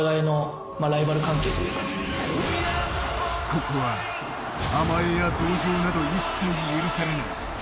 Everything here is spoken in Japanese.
ここは甘えや同情など一切許されない。